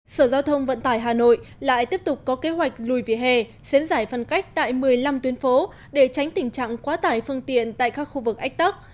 sở giao thông vận tải hà nội lại tiếp tục có kế hoạch lùi về hè xến giải phân cách tại một mươi năm tuyến phố để tránh tình trạng quá tải phương tiện tại các khu vực ách tắc